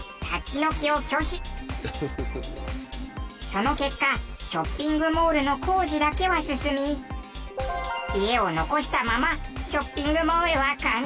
その結果ショッピングモールの工事だけは進み家を残したままショッピングモールは完成。